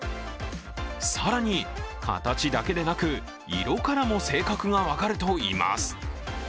更に形だけでなく、色からも性格が分かるといいます。